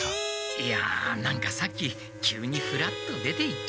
いや何かさっき急にフラッと出ていっちゃって。